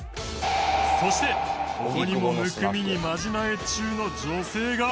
そしてここにもむくみにマジなえ中の女性が。